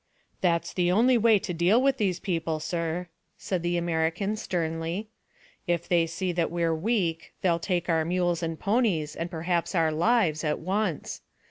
"That's the only way to deal with these people, sir," said the American sternly. "If they see that we're weak they'll take our mules and ponies, and perhaps our lives at once.